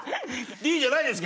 Ｄじゃないですか？